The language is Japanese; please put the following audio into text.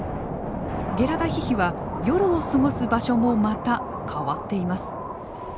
ゲラダヒヒは夜を過ごす場所もまた変わっています。